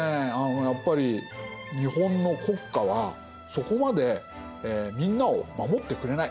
やっぱり日本の国家はそこまでみんなを守ってくれない。